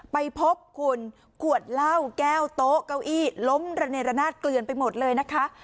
ไปพบคุณขวดเหล้าแก้วโต๊ะเก้าอี้ล้มระเนรนาศเกลือนไปหมดเลยนะคะ